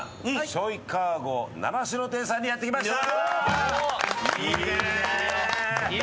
しょいかご習志野店さんにやって来ました。